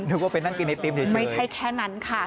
นึกว่าไปนั่งกินไอติมเฉยไม่ใช่แค่นั้นค่ะ